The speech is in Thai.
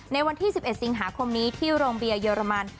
ในวันที่๑๑สิงหาคมนี้ที่โรงเบียร์เรมัน